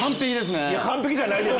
いや完璧じゃないです。